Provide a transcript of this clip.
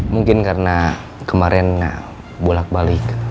mungkin karena kemarin bolak balik